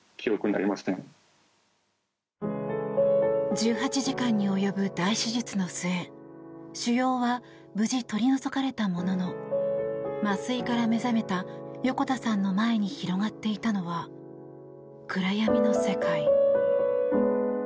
１８時間に及ぶ大手術の末腫瘍は無事取り除かれたものの麻酔から目覚めた横田さんの前に広がっていたのは暗闇の世界。